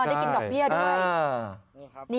ได้กินดอกเบี้ยด้วย